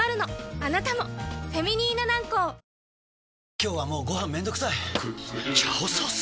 今日はもうご飯めんどくさい「炒ソース」！？